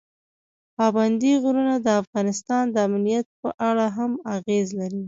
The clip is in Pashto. پابندی غرونه د افغانستان د امنیت په اړه هم اغېز لري.